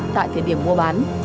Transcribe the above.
tại thời điểm mua bán